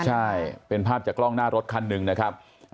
ใช่เป็นภาพจากกล้องหน้ารถคันหนึ่งนะครับ